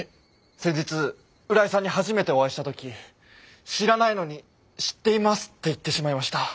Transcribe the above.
先日浦井さんに初めてお会いした時知らないのに「知っています」って言ってしまいました。